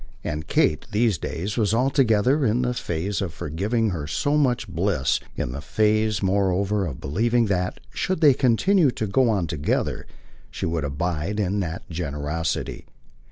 And Kate, these days, was altogether in the phase of forgiving her so much bliss; in the phase moreover of believing that, should they continue to go on together, she would abide in that generosity.